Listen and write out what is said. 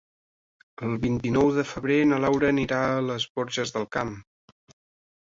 El vint-i-nou de febrer na Laura anirà a les Borges del Camp.